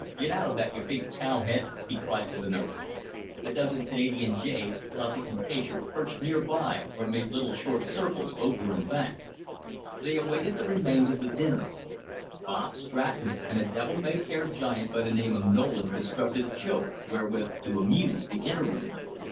"Get out of that, you big tow head!" he cried with an oath. A dozen Canada jays, fluffy, impatient, perched near by or made little short circles over and back. They awaited the remains of the dinner. Bob Stratton and a devil may care giant by the name of Nolan constructed a joke wherewith to amuse the interim.